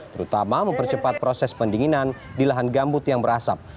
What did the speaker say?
terutama mempercepat proses pendinginan di lahan gambut yang berasap